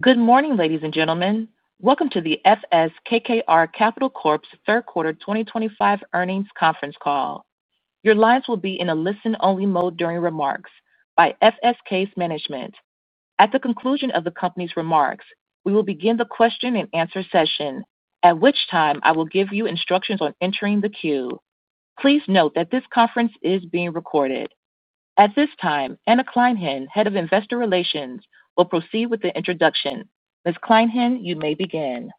Good morning, ladies and gentlemen. Welcome to the FS KKR Capital Corp's third quarter 2025 earnings conference call. Your lines will be in a listen-only mode during remarks by FS Case Management. At the conclusion of the company's remarks, we will begin the question-and-answer session, at which time I will give you instructions on entering the queue. Please note that this conference is being recorded. At this time, Anna Kleinhenn, Head of Investor Relations, will proceed with the introduction. Ms. Kleinhenn, you may begin.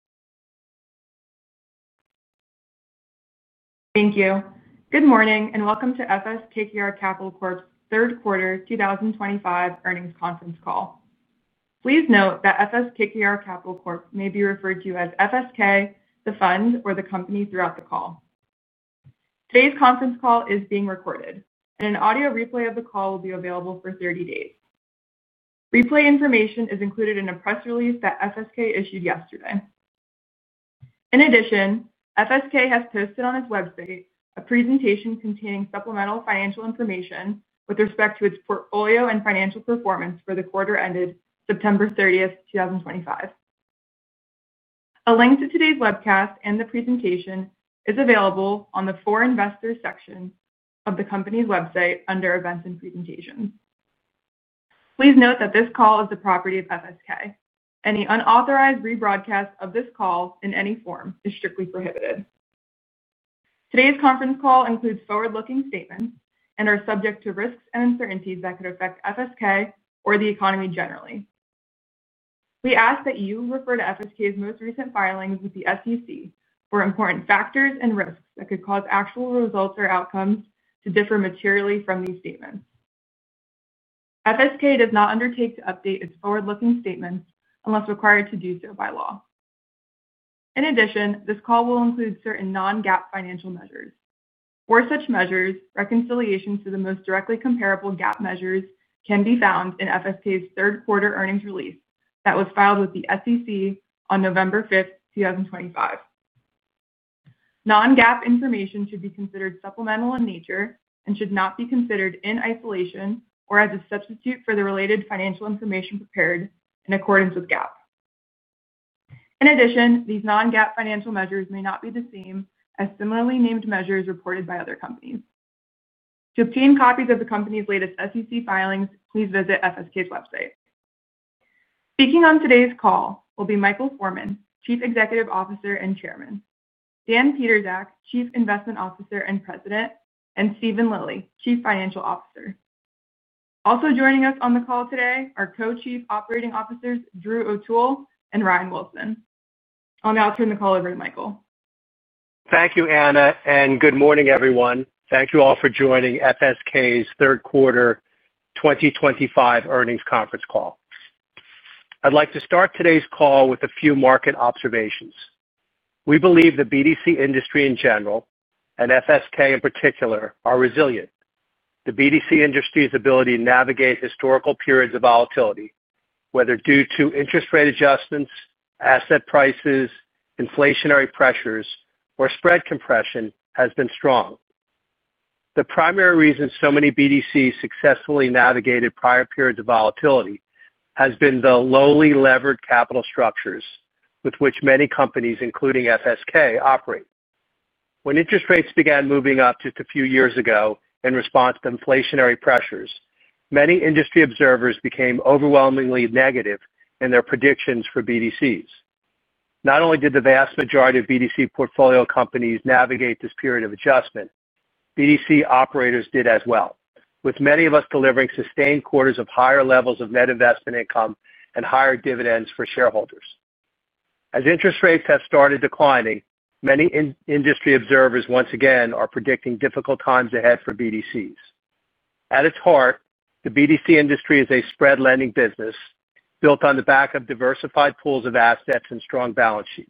Thank you. Good morning and welcome to FS KKR Capital Corp's third quarter 2025 earnings conference call. Please note that FS KKR Capital Corp may be referred to as FSK, the fund, or the company throughout the call. Today's conference call is being recorded, and an audio replay of the call will be available for 30 days. Replay information is included in a press release that FSK issued yesterday. In addition, FSK has posted on its website a presentation containing supplemental financial information with respect to its portfolio and financial performance for the quarter ended September 30th, 2025. A link to today's webcast and the presentation is available on the For Investors section of the company's website under Events and Presentations. Please note that this call is the property of FSK. Any unauthorized rebroadcast of this call in any form is strictly prohibited. Today's conference call includes forward-looking statements and are subject to risks and uncertainties that could affect FSK or the economy generally. We ask that you refer to FSK's most recent filings with the SEC for important factors and risks that could cause actual results or outcomes to differ materially from these statements. FSK does not undertake to update its forward-looking statements unless required to do so by law. In addition, this call will include certain non-GAAP financial measures. For such measures, reconciliations to the most directly comparable GAAP measures can be found in FSK's third quarter earnings release that was filed with the SEC on November 5th, 2025. Non-GAAP information should be considered supplemental in nature and should not be considered in isolation or as a substitute for the related financial information prepared in accordance with GAAP. In addition, these non-GAAP financial measures may not be the same as similarly named measures reported by other companies. To obtain copies of the company's latest SEC filings, please visit FSK's website. Speaking on today's call will be Michael Forman, Chief Executive Officer and Chairman, Dan Pietrzak, Chief Investment Officer and President, and Steven Lilly, Chief Financial Officer. Also joining us on the call today are Co-Chief Operating Officers Drew O'Toole and Ryan Wilson. I'll now turn the call over to Michael. Thank you, Anna, and good morning, everyone. Thank you all for joining FSK's third quarter 2025 earnings conference call. I'd like to start today's call with a few market observations. We believe the BDC industry in general, and FSK in particular, are resilient. The BDC industry's ability to navigate historical periods of volatility, whether due to interest rate adjustments, asset prices, inflationary pressures, or spread compression, has been strong. The primary reason so many BDCs successfully navigated prior periods of volatility has been the lowly levered capital structures with which many companies, including FSK, operate. When interest rates began moving up just a few years ago in response to inflationary pressures, many industry observers became overwhelmingly negative in their predictions for BDCs. Not only did the vast majority of BDC portfolio companies navigate this period of adjustment, BDC operators did as well, with many of us delivering sustained quarters of higher levels of net investment income and higher dividends for shareholders. As interest rates have started declining, many industry observers once again are predicting difficult times ahead for BDCs. At its heart, the BDC industry is a spread-lending business, built on the back of diversified pools of assets and strong balance sheets.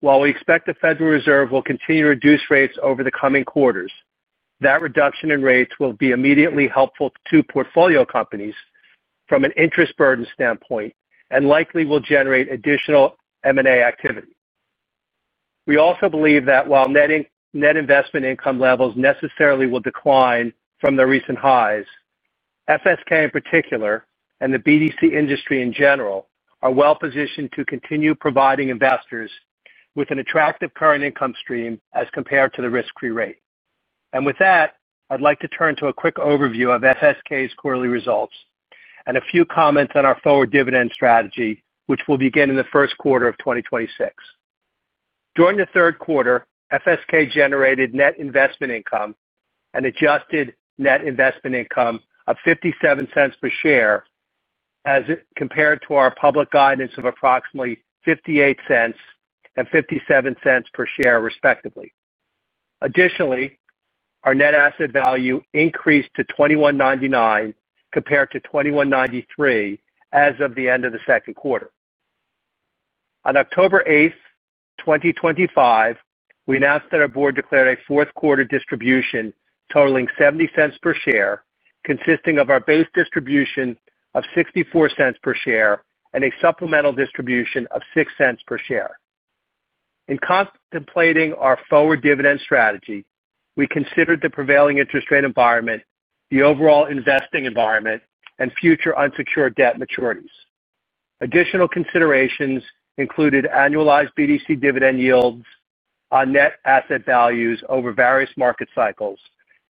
While we expect the Federal Reserve will continue to reduce rates over the coming quarters, that reduction in rates will be immediately helpful to portfolio companies from an interest burden standpoint and likely will generate additional M&A activity. We also believe that while net. Investment income levels necessarily will decline from their recent highs, FSK in particular and the BDC industry in general are well-positioned to continue providing investors with an attractive current income stream as compared to the risk-free rate. With that, I'd like to turn to a quick overview of FSK's quarterly results and a few comments on our forward dividend strategy, which will begin in the first quarter of 2026. During the third quarter, FSK generated net investment income and adjusted net investment income of $0.57 per share, as compared to our public guidance of approximately $0.58 and $0.57 per share, respectively. Additionally, our net asset value increased to $2,199 compared to $2,193 as of the end of the second quarter. On October 8th, 2025, we announced that our board declared a fourth quarter distribution totaling $0.70 per share, consisting of our base distribution of $0.64 per share and a supplemental distribution of $0.06 per share. In contemplating our forward dividend strategy, we considered the prevailing interest rate environment, the overall investing environment, and future unsecured debt maturities. Additional considerations included annualized BDC dividend yields on net asset values over various market cycles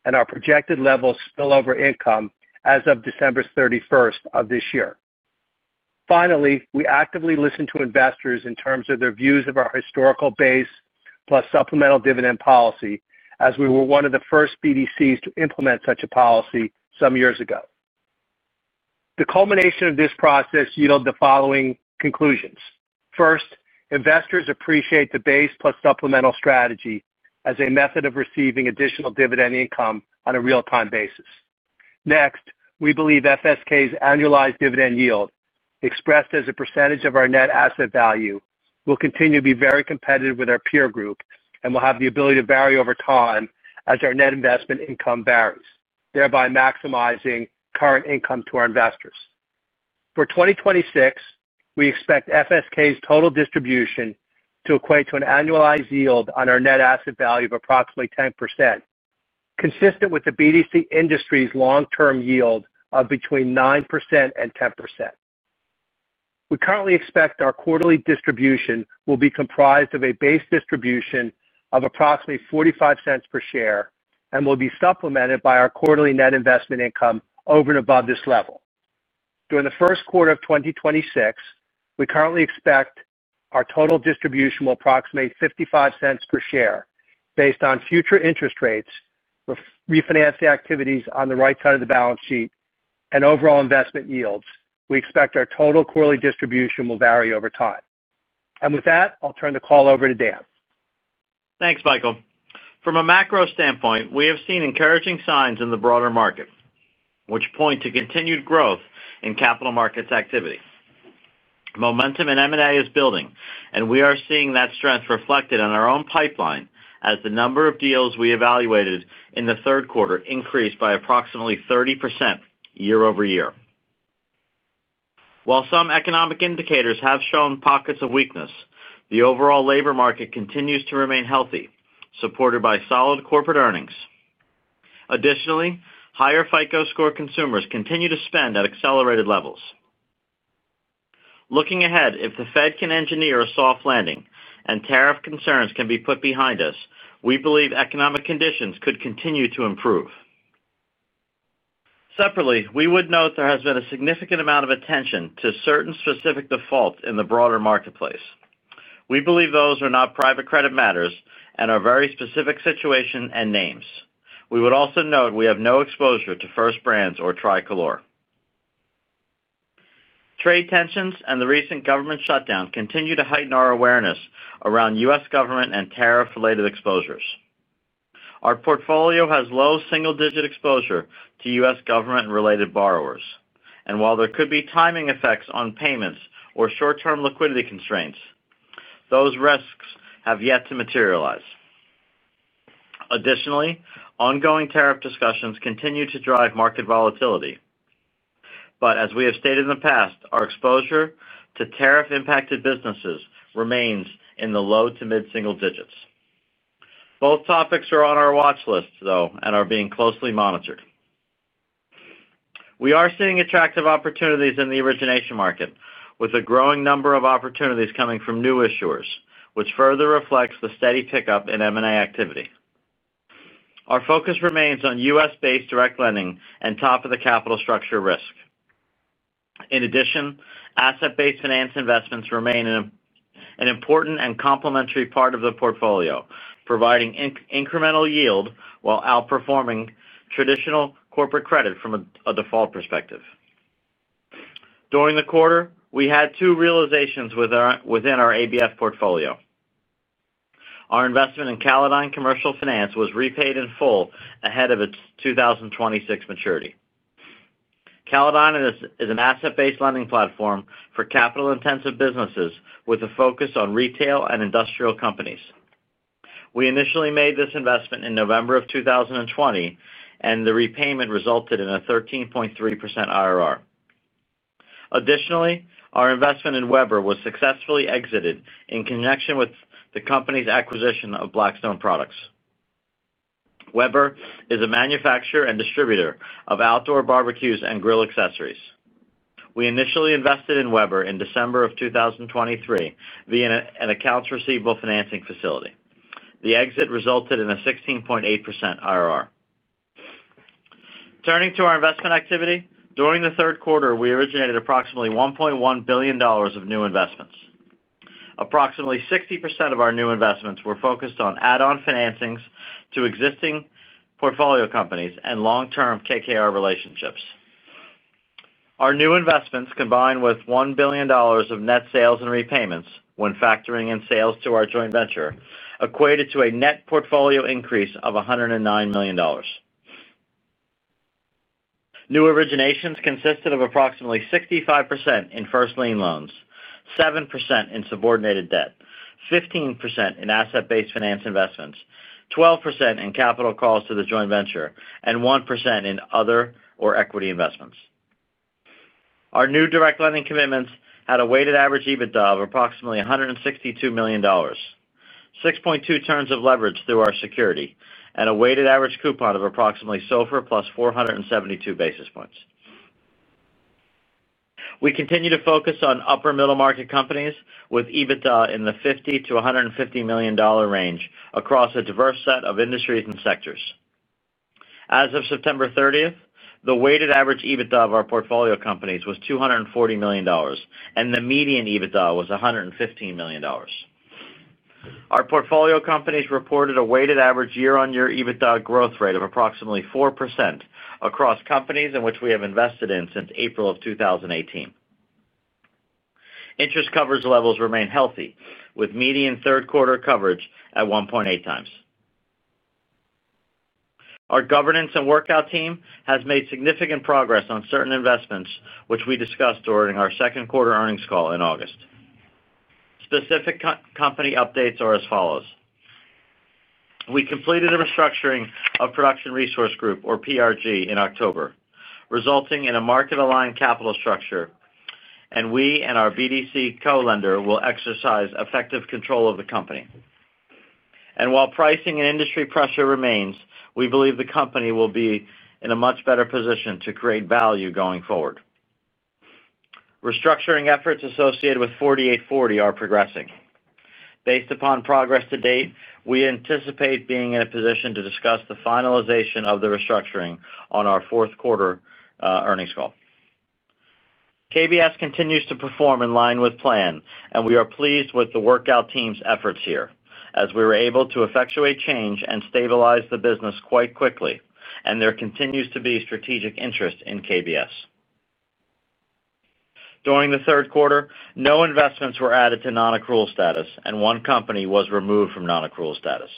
and our projected level of spillover income as of December 31st of this year. Finally, we actively listened to investors in terms of their views of our historical base plus supplemental dividend policy, as we were one of the first BDCs to implement such a policy some years ago. The culmination of this process yielded the following conclusions. First, investors appreciate the base plus supplemental strategy as a method of receiving additional dividend income on a real-time basis. Next, we believe FSK's annualized dividend yield, expressed as a percentage of our net asset value, will continue to be very competitive with our peer group and will have the ability to vary over time as our net investment income varies, thereby maximizing current income to our investors. For 2026, we expect FSK's total distribution to equate to an annualized yield on our net asset value of approximately 10%. Consistent with the BDC industry's long-term yield of between 9% and 10%. We currently expect our quarterly distribution will be comprised of a base distribution of approximately $0.45 per share and will be supplemented by our quarterly net investment income over and above this level. During the first quarter of 2026, we currently expect our total distribution will approximate $0.55 per share based on future interest rates, refinancing activities on the right side of the balance sheet, and overall investment yields. We expect our total quarterly distribution will vary over time. With that, I'll turn the call over to Dan. Thanks, Michael. From a macro standpoint, we have seen encouraging signs in the broader market, which point to continued growth in capital markets activity. Momentum in M&A is building, and we are seeing that strength reflected in our own pipeline as the number of deals we evaluated in the third quarter increased by approximately 30% year-over-year. While some economic indicators have shown pockets of weakness, the overall labor market continues to remain healthy, supported by solid corporate earnings. Additionally, higher FICO-score consumers continue to spend at accelerated levels. Looking ahead, if the Fed can engineer a soft landing and tariff concerns can be put behind us, we believe economic conditions could continue to improve. Separately, we would note there has been a significant amount of attention to certain specific defaults in the broader marketplace. We believe those are not private credit matters and are very specific situations and names. We would also note we have no exposure to First Brands or Tricolor. Trade tensions and the recent government shutdown continue to heighten our awareness around U.S. government and tariff-related exposures. Our portfolio has low single-digit exposure to U.S. government-related borrowers, and while there could be timing effects on payments or short-term liquidity constraints, those risks have yet to materialize. Additionally, ongoing tariff discussions continue to drive market volatility. As we have stated in the past, our exposure to tariff-impacted businesses remains in the low to mid-single digits. Both topics are on our watch list, though, and are being closely monitored. We are seeing attractive opportunities in the origination market, with a growing number of opportunities coming from new issuers, which further reflects the steady pickup in M&A activity. Our focus remains on U.S.-based direct lending and top-of-the-capital structure risk. In addition, asset-based finance investments remain an important and complementary part of the portfolio, providing incremental yield while outperforming traditional corporate credit from a default perspective. During the quarter, we had two realizations within our ABF portfolio. Our investment in Callodine Commercial Finance was repaid in full ahead of its 2026 maturity. Callodine is an asset-based lending platform for capital-intensive businesses with a focus on retail and industrial companies. We initially made this investment in November of 2020, and the repayment resulted in a 13.3% IRR. Additionally, our investment in Weber was successfully exited in connection with the company's acquisition of Blackstone Products. Weber is a manufacturer and distributor of outdoor barbecues and grill accessories. We initially invested in Weber in December of 2023 via an accounts receivable financing facility. The exit resulted in a 16.8% IRR. Turning to our investment activity, during the third quarter, we originated approximately $1.1 billion of new investments. Approximately 60% of our new investments were focused on add-on financings to existing portfolio companies and long-term KKR relationships. Our new investments, combined with $1 billion of net sales and repayments when factoring in sales to our joint venture, equated to a net portfolio increase of $109 million. New originations consisted of approximately 65% in first lien loans, 7% in subordinated debt, 15% in asset-based finance investments, 12% in capital calls to the joint venture, and 1% in other or equity investments. Our new direct lending commitments had a weighted average EBITDA of approximately $162 million, 6.2 turns of leverage through our security, and a weighted average coupon of approximately SOFR plus 472 basis points. We continue to focus on upper middle market companies with EBITDA in the $50 million-$150 million range across a diverse set of industries and sectors. As of September 30th, the weighted average EBITDA of our portfolio companies was $240 million, and the median EBITDA was $115 million. Our portfolio companies reported a weighted average year-on-year EBITDA growth rate of approximately 4% across companies in which we have invested in since April of 2018. Interest coverage levels remain healthy, with median third-quarter coverage at 1.8x. Our governance and workout team has made significant progress on certain investments, which we discussed during our second quarter earnings call in August. Specific company updates are as follows. We completed a restructuring of Production Resource Group, or PRG, in October, resulting in a market-aligned capital structure, and we and our BDC co-lender will exercise effective control of the company. While pricing and industry pressure remains, we believe the company will be in a much better position to create value going forward. Restructuring efforts associated with 4840 are progressing. Based upon progress to date, we anticipate being in a position to discuss the finalization of the restructuring on our fourth quarter earnings call. KBS continues to perform in line with plan, and we are pleased with the workout team's efforts here, as we were able to effectuate change and stabilize the business quite quickly, and there continues to be strategic interest in KBS. During the third quarter, no investments were added to non-accrual status, and one company was removed from non-accrual status.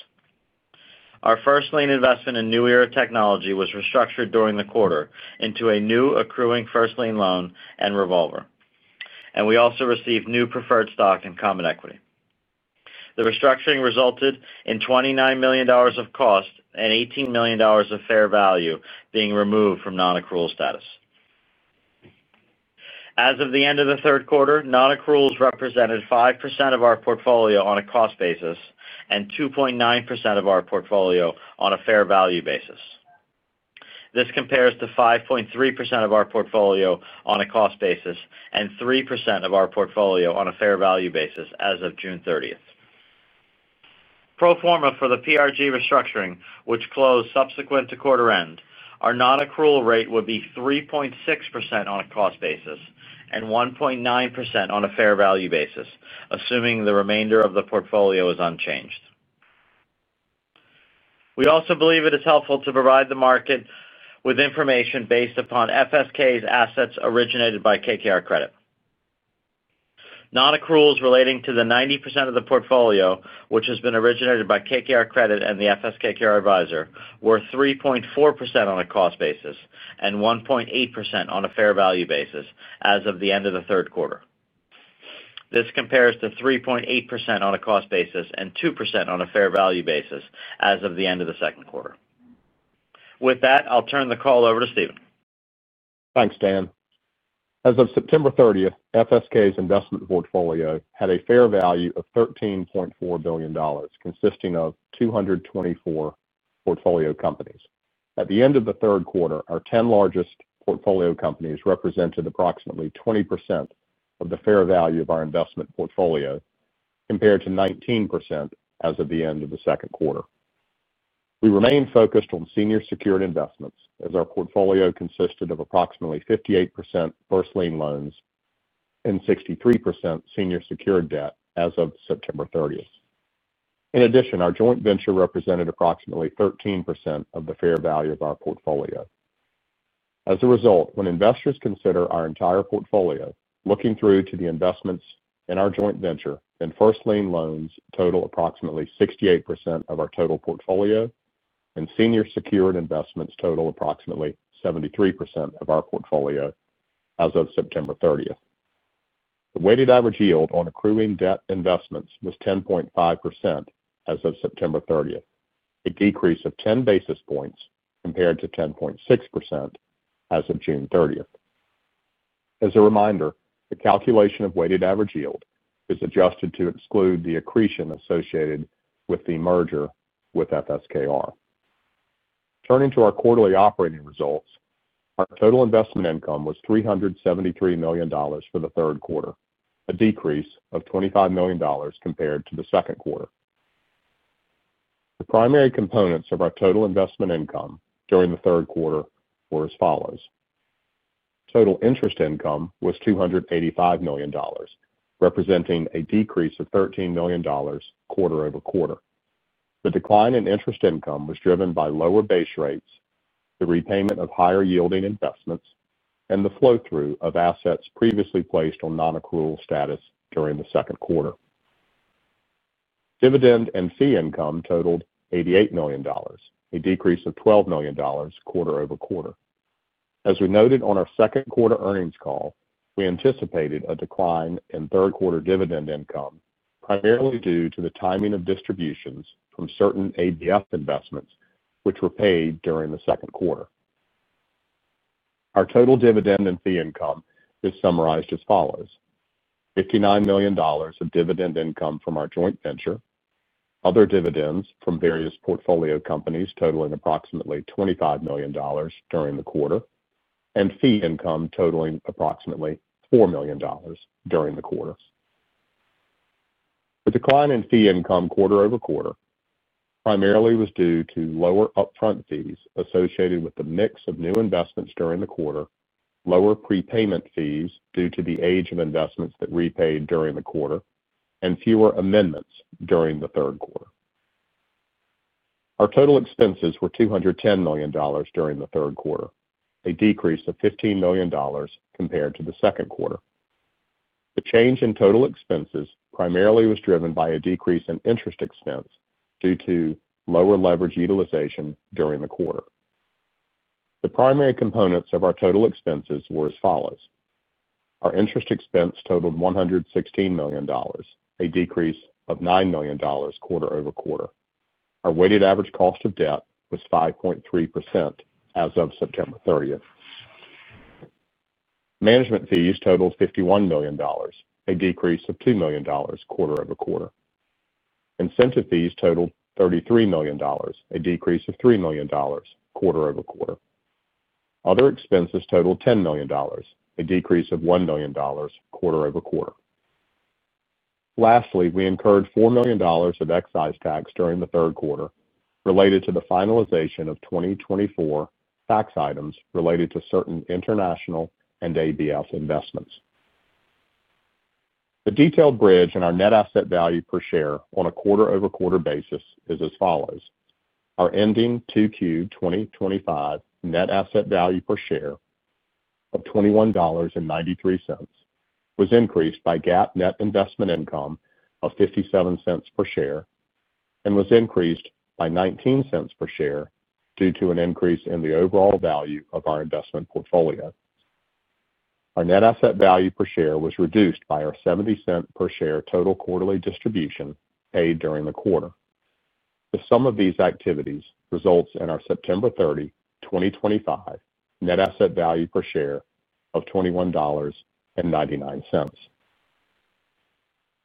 Our first lien investment in New Era Technology was restructured during the quarter into a new accruing first lien loan and revolver, and we also received new preferred stock and common equity. The restructuring resulted in $29 million of cost and $18 million of fair value being removed from non-accrual status. As of the end of the third quarter, non-accruals represented 5% of our portfolio on a cost basis and 2.9% of our portfolio on a fair value basis. This compares to 5.3% of our portfolio on a cost basis and 3% of our portfolio on a fair value basis as of June 30th. Pro forma for the PRG restructuring, which closed subsequent to quarter-end, our non-accrual rate would be 3.6% on a cost basis and 1.9% on a fair value basis, assuming the remainder of the portfolio is unchanged. We also believe it is helpful to provide the market with information based upon FSK's assets originated by KKR Credit. Non-accruals relating to the 90% of the portfolio, which has been originated by KKR Credit and the FS KKR Advisor, were 3.4% on a cost basis and 1.8% on a fair value basis as of the end of the third quarter. This compares to 3.8% on a cost basis and 2% on a fair value basis as of the end of the second quarter. With that, I'll turn the call over to Steven. Thanks, Dan. As of September 30th, FSK's investment portfolio had a fair value of $13.4 billion, consisting of 224 portfolio companies. At the end of the third quarter, our 10 largest portfolio companies represented approximately 20% of the fair value of our investment portfolio, compared to 19% as of the end of the second quarter. We remained focused on senior secured investments, as our portfolio consisted of approximately 58% first lien loans and 63% senior secured debt as of September 30. In addition, our joint venture represented approximately 13% of the fair value of our portfolio. As a result, when investors consider our entire portfolio, looking through to the investments in our joint venture and first lien loans total approximately 68% of our total portfolio and senior secured investments total approximately 73% of our portfolio as of September 30th. The weighted average yield on accruing debt investments was 10.5% as of September 30th, a decrease of 10 basis points compared to 10.6% as of June 30th. As a reminder, the calculation of weighted average yield is adjusted to exclude the accretion associated with the merger with FS KKR. Turning to our quarterly operating results, our total investment income was $373 million for the third quarter, a decrease of $25 million compared to the second quarter. The primary components of our total investment income during the third quarter were as follows. Total interest income was $285 million, representing a decrease of $13 million quarter-over-quarter. The decline in interest income was driven by lower base rates, the repayment of higher-yielding investments, and the flow-through of assets previously placed on non-accrual status during the second quarter. Dividend and fee income totaled $88 million, a decrease of $12 million quarter-over-quarter. As we noted on our second quarter earnings call, we anticipated a decline in third-quarter dividend income, primarily due to the timing of distributions from certain ABF investments, which were paid during the second quarter. Our total dividend and fee income is summarized as follows: $59 million of dividend income from our joint venture, other dividends from various portfolio companies totaling approximately $25 million during the quarter, and fee income totaling approximately $4 million during the quarter. The decline in fee income quarter-over-quarter primarily was due to lower upfront fees associated with the mix of new investments during the quarter, lower prepayment fees due to the age of investments that repaid during the quarter, and fewer amendments during the third quarter. Our total expenses were $210 million during the third quarter, a decrease of $15 million compared to the second quarter. The change in total expenses primarily was driven by a decrease in interest expense due to lower leverage utilization during the quarter. The primary components of our total expenses were as follows. Our interest expense totaled $116 million, a decrease of $9 million quarter-over-quarter. Our weighted average cost of debt was 5.3% as of September 30th. Management fees totaled $51 million, a decrease of $2 million quarter-over-quarter. Incentive fees totaled $33 million, a decrease of $3 million quarter-over-quarter. Other expenses totaled $10 million, a decrease of $1 million quarter-over-quarter. Lastly, we incurred $4 million of excise tax during the third quarter related to the finalization of 2024 tax items related to certain international and ABF investments. The detailed bridge in our net asset value per share on a quarter-over-quarter basis is as follows. Our ending 2Q 2025 net asset value per share of $21.93 was increased by GAAP net investment income of $0.57 per share and was increased by $0.19 per share due to an increase in the overall value of our investment portfolio. Our net asset value per share was reduced by our $0.70 per share total quarterly distribution paid during the quarter. The sum of these activities results in our September 30, 2025, net asset value per share of $21.99.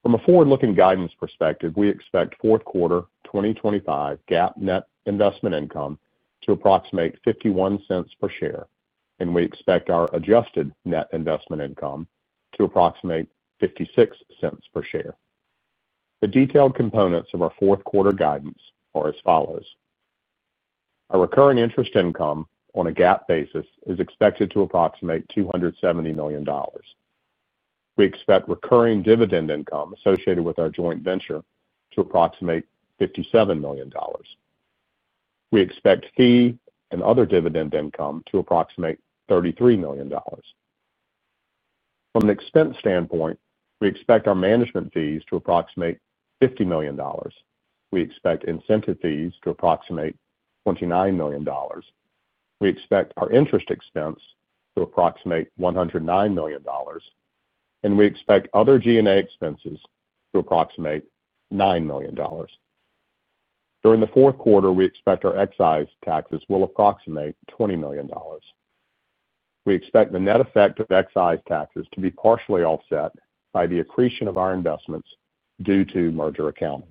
From a forward-looking guidance perspective, we expect fourth quarter 2025 GAAP net investment income to approximate $0.51 per share, and we expect our adjusted net investment income to approximate $0.56 per share. The detailed components of our fourth quarter guidance are as follows. Our recurring interest income on a GAAP basis is expected to approximate $270 million. We expect recurring dividend income associated with our joint venture to approximate $57 million. We expect fee and other dividend income to approximate $33 million. From an expense standpoint, we expect our management fees to approximate $50 million. We expect incentive fees to approximate $29 million. We expect our interest expense to approximate $109 million. We expect other G&A expenses to approximate $9 million. During the fourth quarter, we expect our excise taxes will approximate $20 million. We expect the net effect of excise taxes to be partially offset by the accretion of our investments due to merger accounting.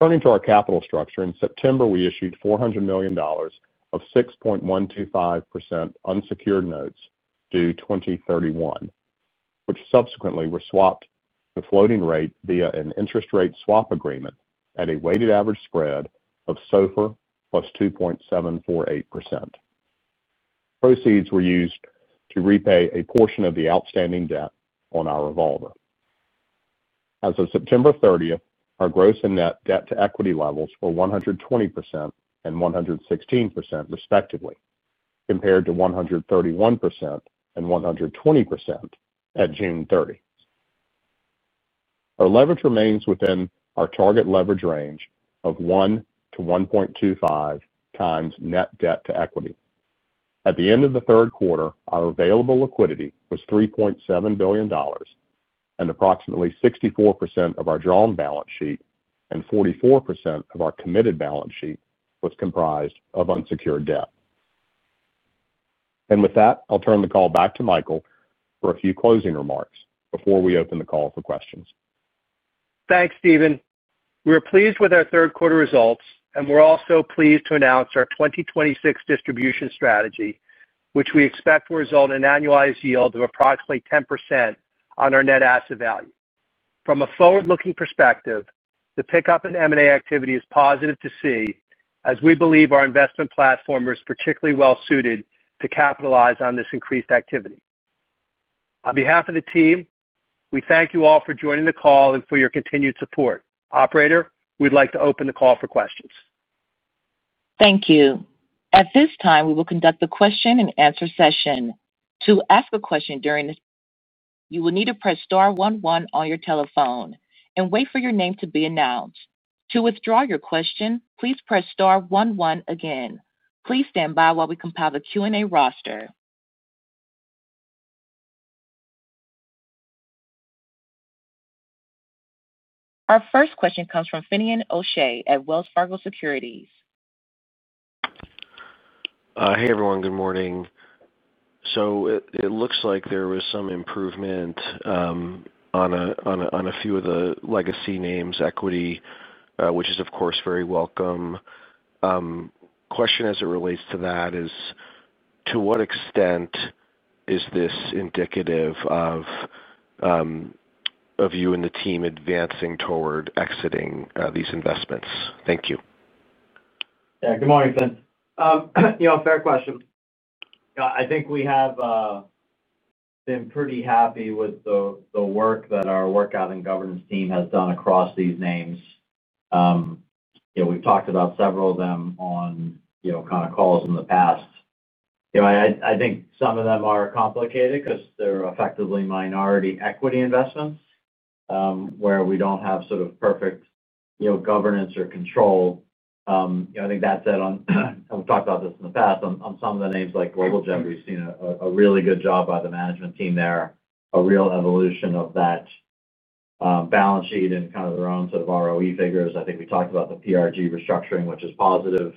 Turning to our capital structure, in September, we issued $400 million of 6.125% unsecured notes due 2031, which subsequently were swapped to floating rate via an interest rate swap agreement at a weighted average spread of SOFR plus 2.748%. Proceeds were used to repay a portion of the outstanding debt on our revolver. As of September 30th, our gross and net debt-to-equity levels were 120% and 116%, respectively, compared to 131% and 120% at June 30. Our leverage remains within our target leverage range of 1-1.25x net debt-to-equity. At the end of the third quarter, our available liquidity was $3.7 billion, and approximately 64% of our drawn balance sheet and 44% of our committed balance sheet was comprised of unsecured debt. With that, I'll turn the call back to Michael for a few closing remarks before we open the call for questions. Thanks, Steven. We're pleased with our third quarter results, and we're also pleased to announce our 2026 distribution strategy, which we expect will result in an annualized yield of approximately 10% on our net asset value. From a forward-looking perspective, the pickup in M&A activity is positive to see, as we believe our investment platform is particularly well-suited to capitalize on this increased activity. On behalf of the team, we thank you all for joining the call and for your continued support. Operator, we'd like to open the call for questions. Thank you. At this time, we will conduct the question and answer session. To ask a question during this, you will need to press star one one on your telephone and wait for your name to be announced. To withdraw your question, please press star one one again. Please stand by while we compile the Q&A roster. Our first question comes from Finian O'Shea at Wells Fargo Securities. Hey, everyone. Good morning. It looks like there was some improvement on a few of the legacy names, equity, which is, of course, very welcome. Question as it relates to that is, to what extent is this indicative of you and the team advancing toward exiting these investments? Thank you. Yeah. Good morning, Fin. Fair question. I think we have. Been pretty happy with the work that our workout and governance team has done across these names. We've talked about several of them on kind of calls in the past. I think some of them are complicated because they're effectively minority equity investments where we don't have sort of perfect governance or control. I think that's it. We've talked about this in the past. On some of the names like Globalgen, we've seen a really good job by the management team there, a real evolution of that balance sheet and kind of their own sort of ROE figures. I think we talked about the PRG restructuring, which is positive.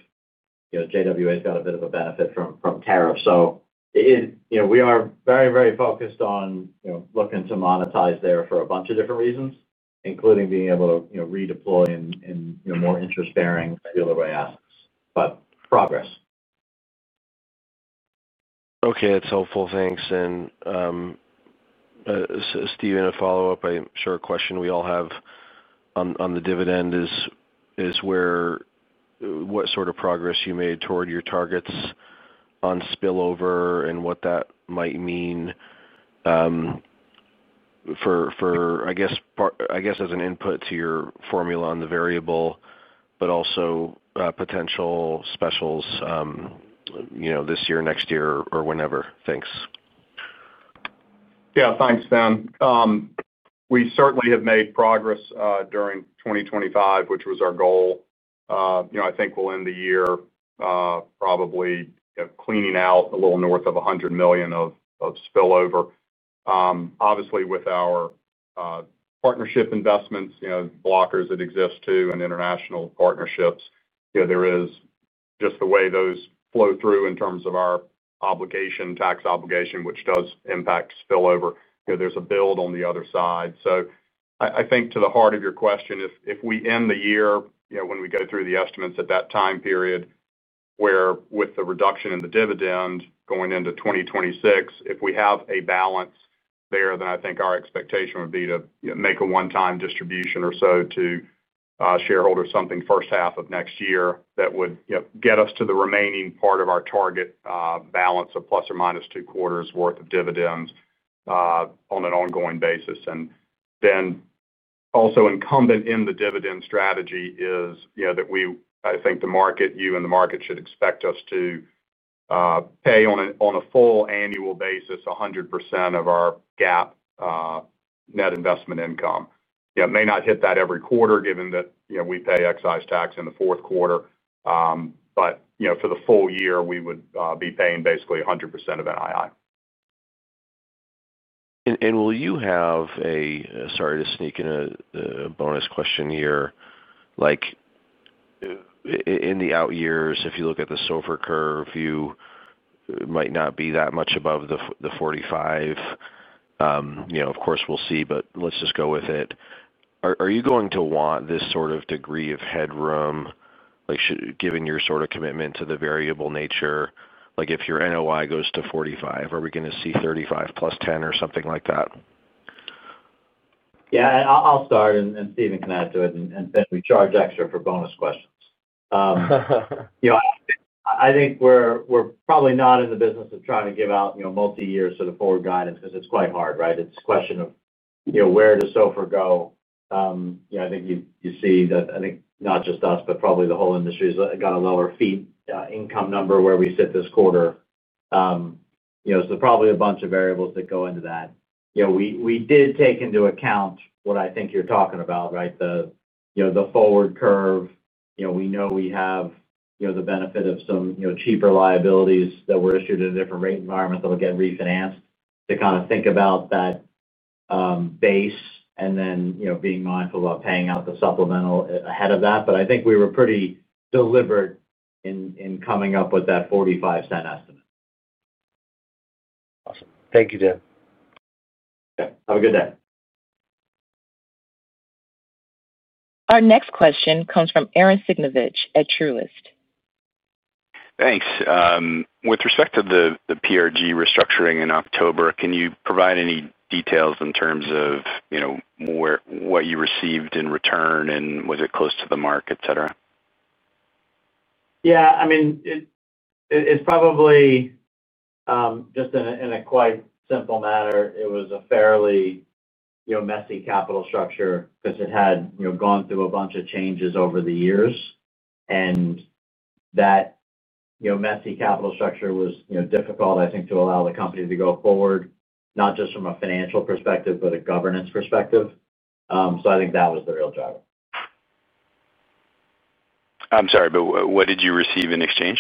JWA has got a bit of a benefit from tariffs. We are very, very focused on looking to monetize there for a bunch of different reasons, including being able to redeploy in more interest-bearing dealer-weight assets. Progress. Okay. That's helpful. Thanks. Steven, a follow-up, I'm sure a question we all have. On the dividend is, what sort of progress you made toward your targets on spillover and what that might mean for, I guess, as an input to your formula on the variable, but also potential specials this year, next year, or whenever. Thanks. Yeah. Thanks, Fin. We certainly have made progress during 2025, which was our goal. I think we'll end the year probably cleaning out a little north of $100 million of spillover. Obviously, with our partnership investments, blockers that exist too, and international partnerships, there is just the way those flow through in terms of our tax obligation, which does impact spillover. There's a build on the other side. I think to the heart of your question, if we end the year when we go through the estimates at that time period, with the reduction in the dividend going into 2026, if we have a balance there, then I think our expectation would be to make a one-time distribution or so to. Shareholders something first half of next year that would get us to the remaining part of our target balance of plus or minus two quarters' worth of dividends. On an ongoing basis. Also incumbent in the dividend strategy is that we, I think the market, you and the market should expect us to pay on a full annual basis 100% of our GAAP net investment income. It may not hit that every quarter given that we pay excise tax in the fourth quarter. For the full year, we would be paying basically 100% of NII. Will you have a—sorry to sneak in a bonus question here. In the out years, if you look at the SOFR curve, you might not be that much above the 45. Of course, we'll see, but let's just go with it. Are you going to want this sort of degree of headroom, given your sort of commitment to the variable nature? If your NOI goes to 45, are we going to see 35 plus 10 or something like that? Yeah. I'll start, and Steven can add to it, and then we charge extra for bonus questions. I think we're probably not in the business of trying to give out multi-year sort of forward guidance because it's quite hard, right? It's a question of where does SOFR go? I think you see that, I think not just us, but probably the whole industry has got a lower fee income number where we sit this quarter. Probably a bunch of variables that go into that. We did take into account what I think you're talking about, right? The forward curve. We know we have the benefit of some cheaper liabilities that were issued in a different rate environment that will get refinanced to kind of think about that. Base, and then being mindful about paying out the supplemental ahead of that. I think we were pretty deliberate in coming up with that $0.45 estimate. Awesome. Thank you, Dan. Okay. Have a good day. Our next question comes from Arren Cyganovich at Truist. Thanks. With respect to the PRG restructuring in October, can you provide any details in terms of what you received in return, and was it close to the mark, etc.? Yeah. I mean, it's probably, just in a quite simple manner, it was a fairly messy capital structure because it had gone through a bunch of changes over the years. And that messy capital structure was difficult, I think, to allow the company to go forward, not just from a financial perspective, but a governance perspective. I think that was the real driver. I'm sorry, but what did you receive in exchange?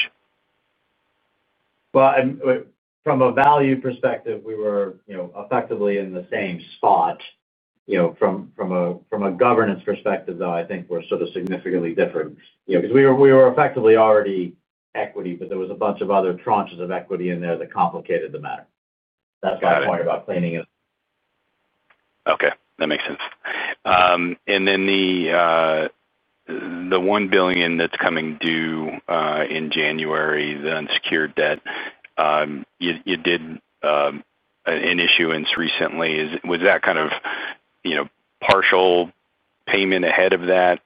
From a value perspective, we were effectively in the same spot. From a governance perspective, though, I think we're sort of significantly different because we were effectively already equity, but there was a bunch of other tranches of equity in there that complicated the matter. That's my point about cleaning it. Okay. That makes sense. The $1 billion that's coming due in January, the unsecured debt. You did an issuance recently. Was that kind of partial payment ahead of that?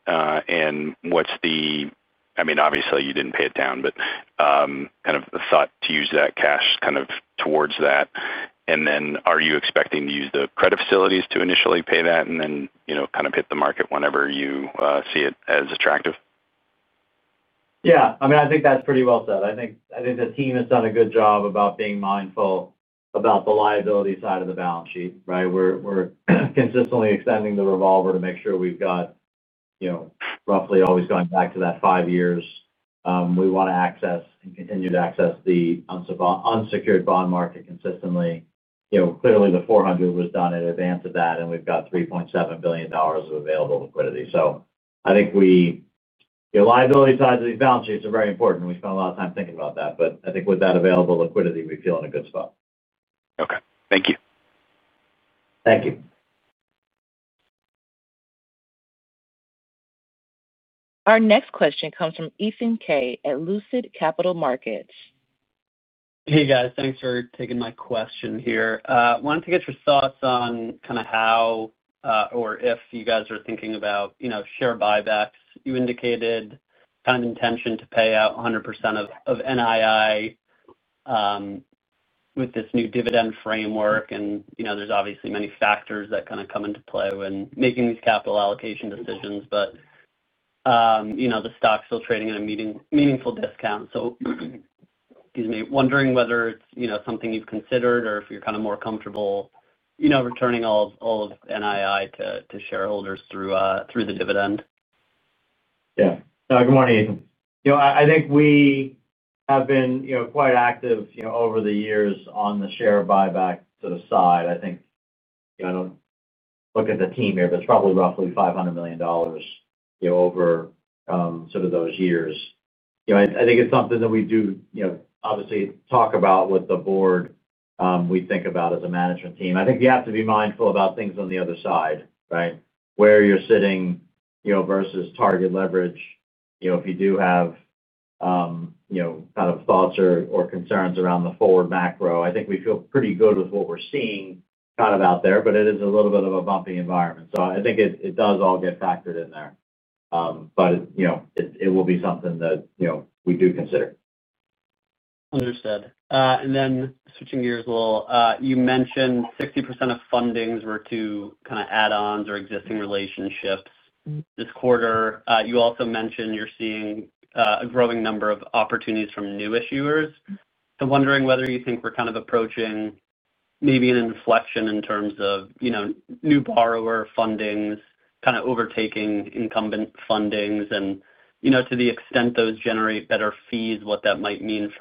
What's the—I mean, obviously, you didn't pay it down, but kind of thought to use that cash kind of towards that. Are you expecting to use the credit facilities to initially pay that and then kind of hit the market whenever you see it as attractive? Yeah. I mean, I think that's pretty well said. I think the team has done a good job about being mindful about the liability side of the balance sheet, right? We're consistently extending the revolver to make sure we've got, roughly, always going back to that five years. We want to access and continue to access the unsecured bond market consistently. Clearly, the $400 million was done in advance of that, and we've got $3.7 billion of available liquidity. I think the liability sides of these balance sheets are very important. We spent a lot of time thinking about that. I think with that available liquidity, we feel in a good spot. Okay. Thank you. Thank you. Our next question comes from Ethan Kaye at Lucid Capital Markets. Hey, guys. Thanks for taking my question here. I wanted to get your thoughts on kind of how, or if you guys are thinking about share buybacks. You indicated kind of intention to pay out 100% of NII with this new dividend framework. There's obviously many factors that kind of come into play when making these capital allocation decisions. The stock's still trading at a meaningful discount. Excuse me, wondering whether it's something you've considered or if you're kind of more comfortable returning all of NII to shareholders through the dividend. Yeah. Good morning. I think we have been quite active over the years on the share buyback sort of side. I think, I do not look at the team here, but it is probably roughly $500 million over sort of those years. I think it is something that we do obviously talk about with the board. We think about as a management team. I think you have to be mindful about things on the other side, right? Where you are sitting versus target leverage. If you do have kind of thoughts or concerns around the forward macro, I think we feel pretty good with what we are seeing kind of out there, but it is a little bit of a bumpy environment. I think it does all get factored in there. It will be something that we do consider. Understood. And then switching gears a little, you mentioned 60% of fundings were to kind of add-ons or existing relationships. This quarter, you also mentioned you're seeing a growing number of opportunities from new issuers. So wondering whether you think we're kind of approaching maybe an inflection in terms of new borrower fundings, kind of overtaking incumbent fundings, and to the extent those generate better fees, what that might mean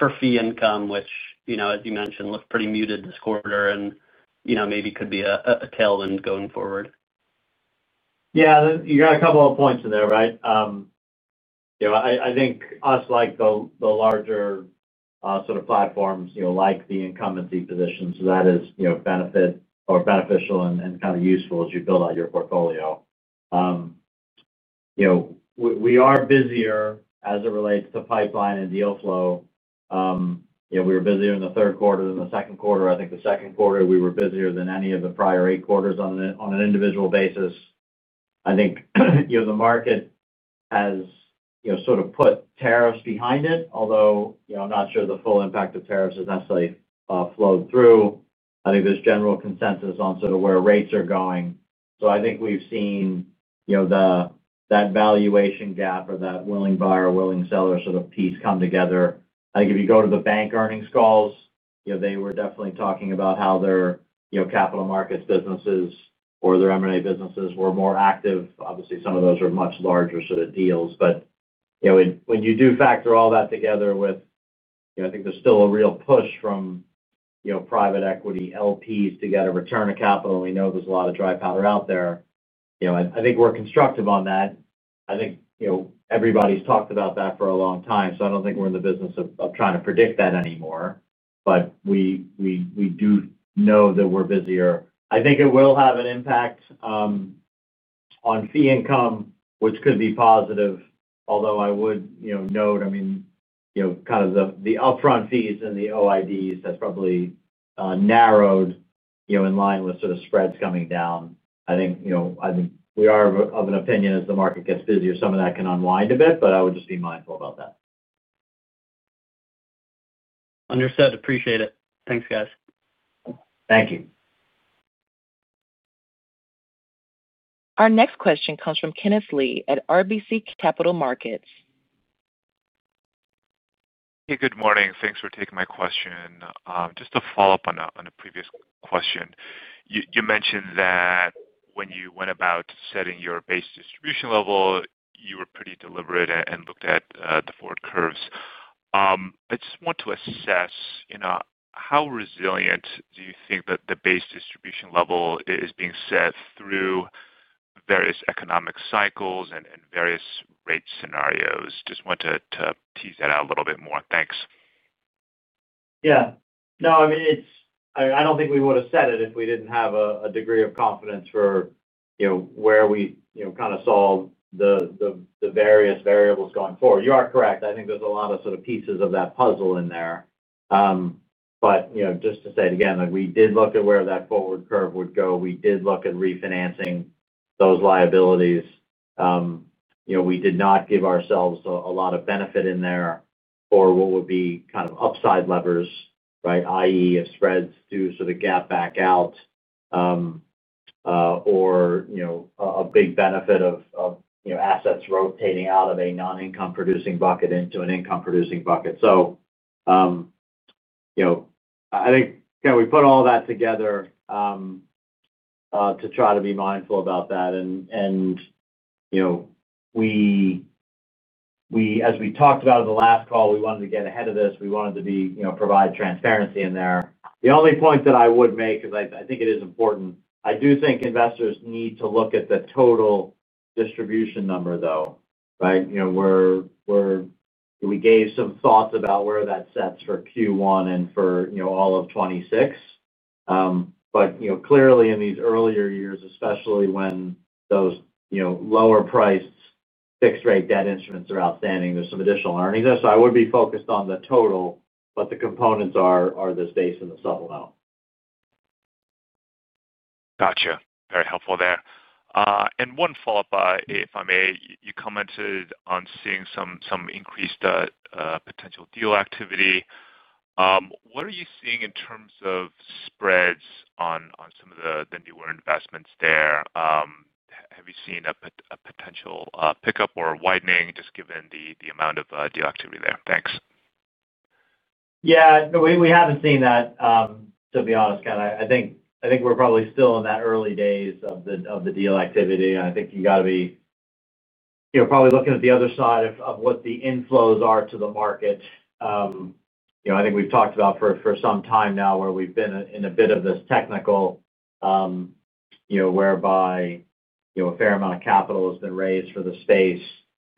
for fee income, which, as you mentioned, looked pretty muted this quarter and maybe could be a tailwind going forward. Yeah. You got a couple of points in there, right? I think us, like the larger, sort of platforms, like the incumbency position. That is benefit or beneficial and kind of useful as you build out your portfolio. We are busier as it relates to pipeline and deal flow. We were busier in the third quarter than the second quarter. I think the second quarter, we were busier than any of the prior eight quarters on an individual basis. I think the market has sort of put tariffs behind it, although I'm not sure the full impact of tariffs has necessarily flowed through. I think there's general consensus on sort of where rates are going. I think we've seen that valuation gap or that willing buyer, willing seller sort of piece come together. I think if you go to the bank earnings calls, they were definitely talking about how their capital markets businesses or their M&A businesses were more active. Obviously, some of those are much larger sort of deals. When you do factor all that together with, I think there's still a real push from private equity LPs to get a return of capital. We know there's a lot of dry powder out there. I think we're constructive on that. I think everybody's talked about that for a long time. I don't think we're in the business of trying to predict that anymore. We do know that we're busier. I think it will have an impact on fee income, which could be positive, although I would note, I mean, kind of the upfront fees and the OIDs, that's probably narrowed in line with sort of spreads coming down. I think we are of an opinion as the market gets busier, some of that can unwind a bit, but I would just be mindful about that. Understood. Appreciate it. Thanks, guys. Thank you. Our next question comes from Kenneth Lee at RBC Capital Markets. Hey, good morning. Thanks for taking my question. Just to follow up on a previous question, you mentioned that when you went about setting your base distribution level, you were pretty deliberate and looked at the forward curves. I just want to assess. How resilient do you think that the base distribution level is being set through various economic cycles and various rate scenarios? Just want to tease that out a little bit more. Thanks. Yeah. No, I mean, I don't think we would have said it if we didn't have a degree of confidence for where we kind of saw the various variables going forward. You are correct. I think there's a lot of sort of pieces of that puzzle in there. Just to say it again, we did look at where that forward curve would go. We did look at refinancing those liabilities. We did not give ourselves a lot of benefit in there for what would be kind of upside levers, right? I.e., if spreads do sort of gap back out, or a big benefit of assets rotating out of a non-income-producing bucket into an income-producing bucket. I think we put all that together to try to be mindful about that. As we talked about in the last call, we wanted to get ahead of this. We wanted to provide transparency in there. The only point that I would make because I think it is important, I do think investors need to look at the total distribution number, though, right? We gave some thoughts about where that sets for Q1 and for all of 2026. Clearly, in these earlier years, especially when those lower-priced fixed-rate debt instruments are outstanding, there is some additional earnings there. I would be focused on the total, but the components are the base and the supplemental. Gotcha. Very helpful there. One follow-up, if I may, you commented on seeing some increased potential deal activity. What are you seeing in terms of spreads on some of the newer investments there? Have you seen a potential pickup or widening just given the amount of deal activity there? Thanks. Yeah. We haven't seen that. To be honest, Ken. I think we're probably still in that early days of the deal activity. I think you got to be probably looking at the other side of what the inflows are to the market. I think we've talked about for some time now where we've been in a bit of this technical, whereby a fair amount of capital has been raised for the space,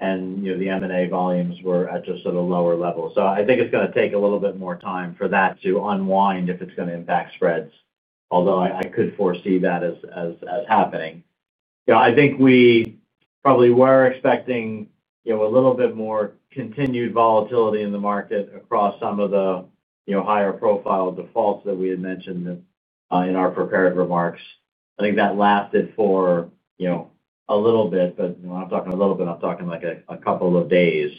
and the M&A volumes were at just sort of lower levels. I think it's going to take a little bit more time for that to unwind if it's going to impact spreads, although I could foresee that as happening. I think we probably were expecting a little bit more continued volatility in the market across some of the higher-profile defaults that we had mentioned in our prepared remarks. I think that lasted for. A little bit, but when I'm talking a little bit, I'm talking like a couple of days.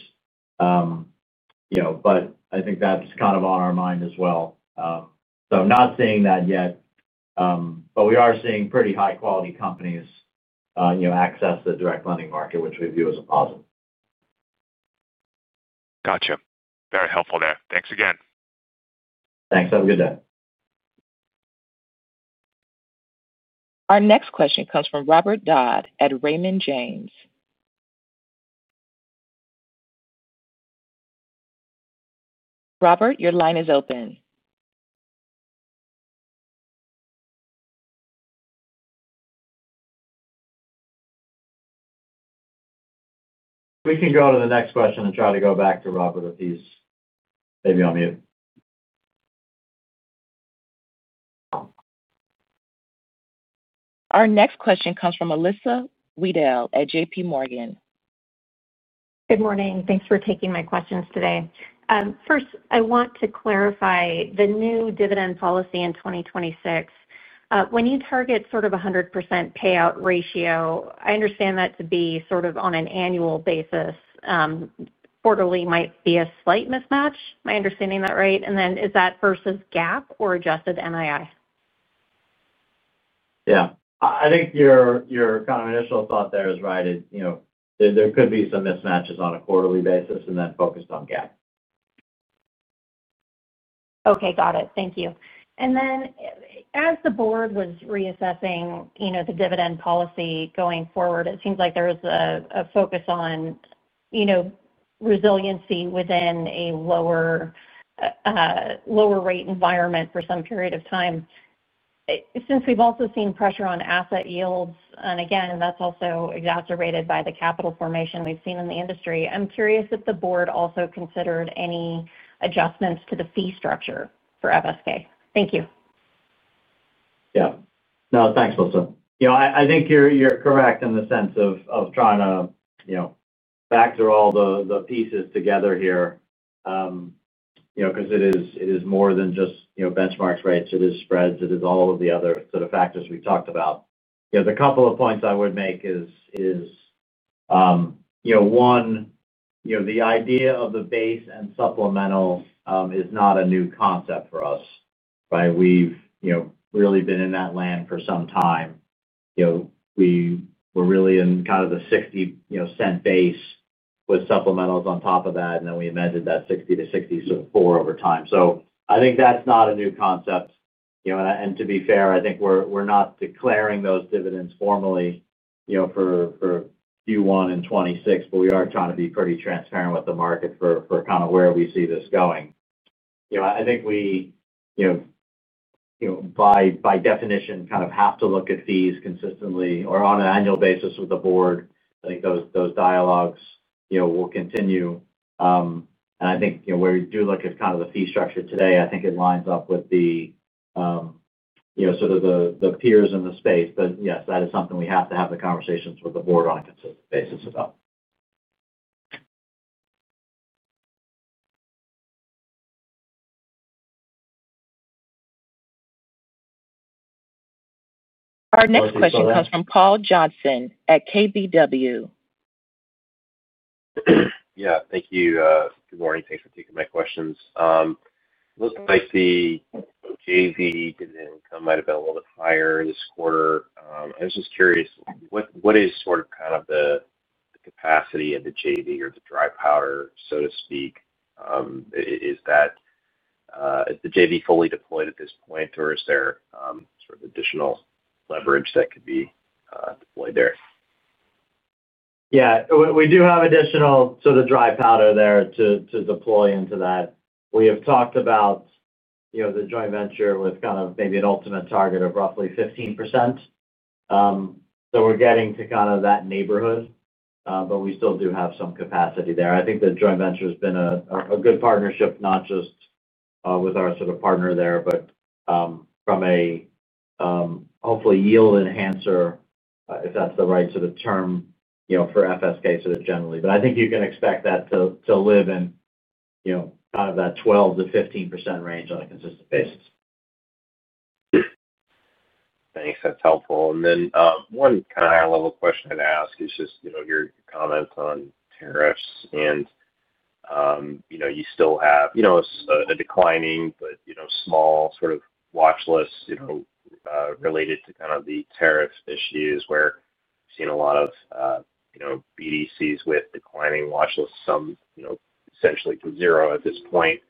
I think that's kind of on our mind as well. I'm not seeing that yet. We are seeing pretty high-quality companies access the direct lending market, which we view as a positive. Gotcha. Very helpful there. Thanks again. Thanks. Have a good day. Our next question comes from Robert Dodd at Raymond James. Robert, your line is open. We can go to the next question and try to go back to Robert if he's maybe on mute. Our next question comes from Melissa Wedel at JPMorgan. Good morning. Thanks for taking my questions today. First, I want to clarify the new dividend policy in 2026. When you target sort of 100% payout ratio, I understand that to be sort of on an annual basis. Quarterly might be a slight mismatch. Am I understanding that right? Is that versus GAAP or adjusted NII? Yeah. I think your kind of initial thought there is right. There could be some mismatches on a quarterly basis and then focused on GAAP. Okay. Got it. Thank you. As the board was reassessing the dividend policy going forward, it seems like there was a focus on resiliency within a lower rate environment for some period of time. Since we've also seen pressure on asset yields, and again, that's also exacerbated by the capital formation we've seen in the industry, I'm curious if the board also considered any adjustments to the fee structure for FSK. Thank you. Yeah. No, thanks, Melissa. I think you're correct in the sense of trying to factor all the pieces together here. Because it is more than just benchmark rates. It is spreads. It is all of the other sort of factors we've talked about. The couple of points I would make is, one, the idea of the base and supplemental is not a new concept for us, right? We've really been in that land for some time. We were really in kind of the $0.60 base with supplementals on top of that, and then we amended that $0.60 to $0.64 over time. I think that's not a new concept. To be fair, I think we're not declaring those dividends formally for Q1 and 2026, but we are trying to be pretty transparent with the market for kind of where we see this going. I think we. By definition, kind of have to look at fees consistently or on an annual basis with the board. I think those dialogues will continue. I think where we do look at kind of the fee structure today, I think it lines up with the peers in the space. Yes, that is something we have to have the conversations with the board on a consistent basis about. Our next question comes from Paul Johnson at KBW. Yeah. Thank you. Good morning. Thanks for taking my questions. It looks like the JV dividend income might have been a little bit higher this quarter. I was just curious, what is sort of kind of the capacity of the JV or the dry powder, so to speak? Is the JV fully deployed at this point, or is there sort of additional leverage that could be deployed there? Yeah. We do have additional sort of dry powder there to deploy into that. We have talked about the joint venture with kind of maybe an ultimate target of roughly 15%. So we're getting to kind of that neighborhood. We still do have some capacity there. I think the joint venture has been a good partnership, not just with our sort of partner there, but from a hopefully yield enhancer, if that's the right sort of term for FSK sort of generally. I think you can expect that to live in kind of that 12-15% range on a consistent basis. Thanks. That's helpful. One kind of higher-level question I'd ask is just your comments on tariffs. You still have a declining but small sort of watchlist related to kind of the tariff issues where we've seen a lot of BDCs with declining watchlists, some essentially to zero at this point.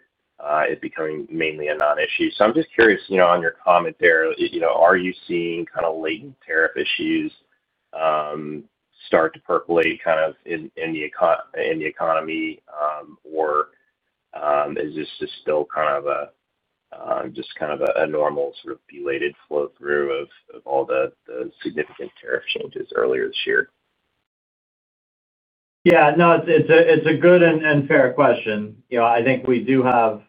It's becoming mainly a non-issue. I'm just curious on your comment there, are you seeing kind of latent tariff issues start to percolate in the economy, or is this just still kind of a normal sort of belated flow-through of all the significant tariff changes earlier this year? Yeah. No, it's a good and fair question. I think we do have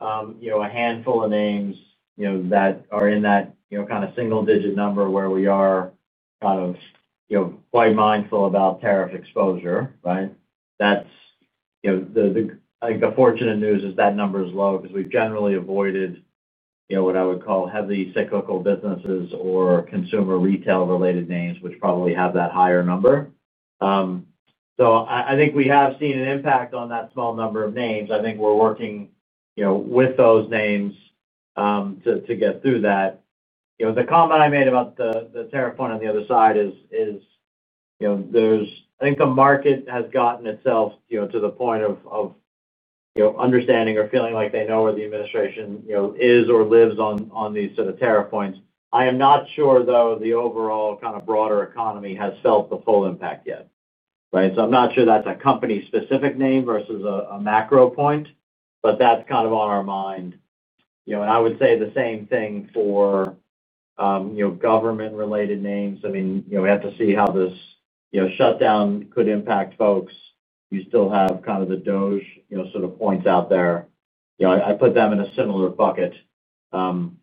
a handful of names that are in that kind of single-digit number where we are kind of quite mindful about tariff exposure, right? I think the fortunate news is that number is low because we've generally avoided what I would call heavy cyclical businesses or consumer retail-related names, which probably have that higher number. I think we have seen an impact on that small number of names. I think we're working with those names to get through that. The comment I made about the tariff point on the other side is, I think the market has gotten itself to the point of understanding or feeling like they know where the administration is or lives on these sort of tariff points. I am not sure, though, the overall kind of broader economy has felt the full impact yet, right? I am not sure that is a company-specific name versus a macro point, but that is kind of on our mind. I would say the same thing for government-related names. I mean, we have to see how this shutdown could impact folks. You still have kind of the DOGE sort of points out there. I put them in a similar bucket. I am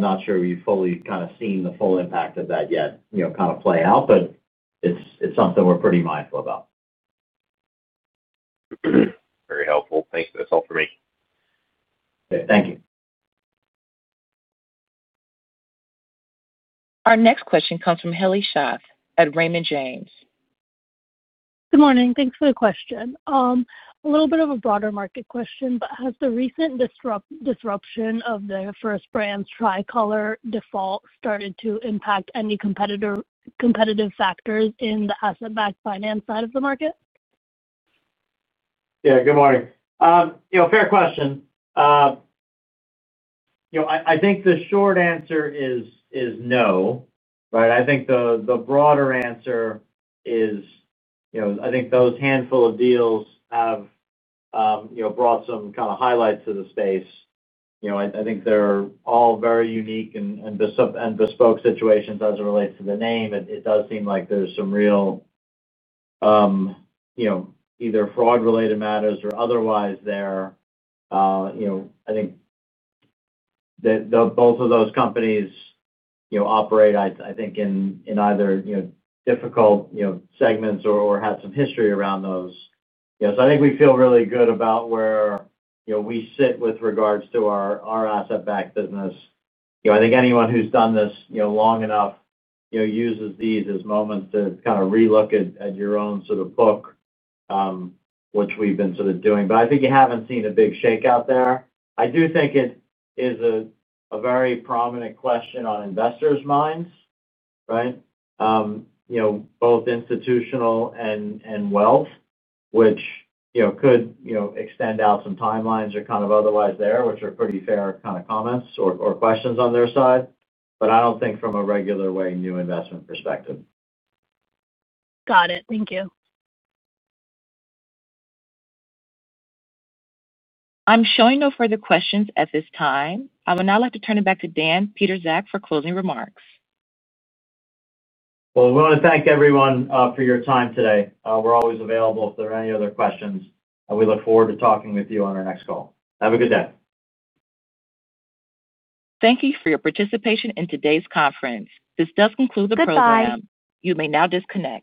not sure we have fully kind of seen the full impact of that yet kind of play out, but it is something we are pretty mindful about. Very helpful. Thanks. That's all for me. Okay. Thank you. Our next question comes from Heli Sheth at Raymond James. Good morning. Thanks for the question. A little bit of a broader market question, but has the recent disruption of the First Brands Tricolor default started to impact any competitive factors in the asset-based finance side of the market? Yeah. Good morning. Fair question. I think the short answer is no, right? I think the broader answer is, I think those handful of deals have brought some kind of highlights to the space. I think they're all very unique and bespoke situations as it relates to the name. It does seem like there's some real, either fraud-related matters or otherwise there. I think both of those companies operate, I think, in either difficult segments or had some history around those. I think we feel really good about where we sit with regards to our asset-backed business. I think anyone who's done this long enough uses these as moments to kind of relook at your own sort of book, which we've been sort of doing. I think you haven't seen a big shakeout there. I do think it is a very prominent question on investors' minds, right? Both institutional and wealth, which could extend out some timelines or kind of otherwise there, which are pretty fair kind of comments or questions on their side. I don't think from a regular way, new investment perspective. Got it. Thank you. I'm showing no further questions at this time. I would now like to turn it back to Dan Pietrzak for closing remarks. We want to thank everyone for your time today. We're always available if there are any other questions. We look forward to talking with you on our next call. Have a good day. Thank you for your participation in today's conference. This does conclude the program. Goodbye. You may now disconnect.